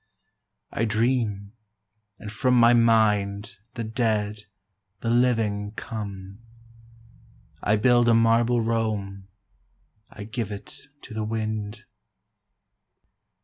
I dream, and from my mind The dead, the living come; I build a marble Rome, I give it to the wind.